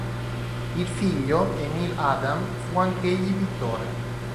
Il figlio, Emil Adam, fu anch'egli pittore.